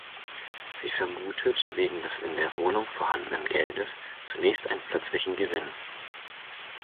Sie vermutet wegen des in der Wohnung vorhandenen Geldes zunächst einen plötzlichen Gewinn.